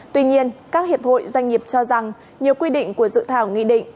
tuy nhiên các hiệp hội doanh nghiệp cho rằng nhiều quy định của dự thảo nghị định